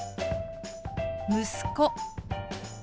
「息子」。